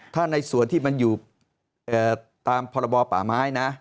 ถ้าในส่วนที่มันอยู่ตามพรบป่าไม้นะ